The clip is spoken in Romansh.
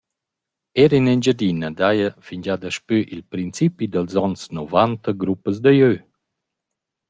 Eir in Engiadina daja fingià daspö il principi dals ons novanta gruppas da gös.